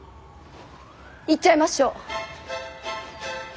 言っちゃいましょう。